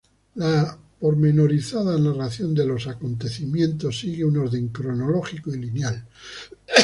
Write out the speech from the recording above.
La pormenorizada narración de los acontecimientos sigue un orden cronológico y lineal.